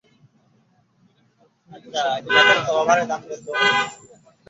এক অখণ্ড সত্তা-রূপে তা মুক্তস্বভাব, বহু-রূপে সেটি নিয়মের অধীন।